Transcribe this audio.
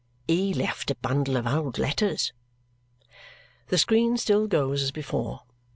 He left a bundle of old letters." The screen still goes, as before.